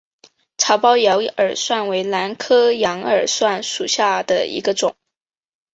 长苞羊耳蒜为兰科羊耳蒜属下的一个种。